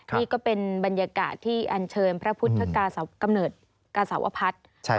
นี่ก็เป็นบรรยากาศที่อัญเชิญพระพุทธกาสาวพัฒน์